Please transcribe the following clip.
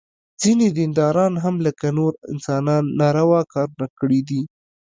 ځینې دینداران هم لکه نور انسانان ناروا کارونه کړي دي.